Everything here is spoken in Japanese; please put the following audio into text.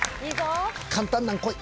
簡単なん来い。